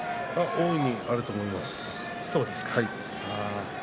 大いにあると思います。